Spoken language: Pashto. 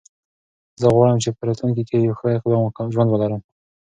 زه غواړم چې په راتلونکي کې یو ښه ژوند ولرم.